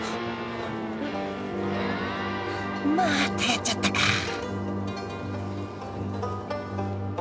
またやっちゃったか。